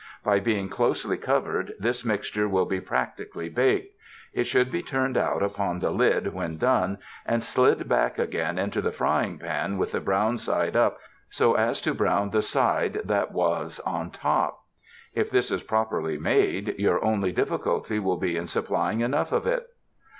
By being closely covered, this mixture will be practi cally baked. It should be turned out upon the lid when done and slid back again into the frying pan with the brown side up so as to brown the side that was on top. If this is properly made, your only dif ficulty will be in supplying enough of it.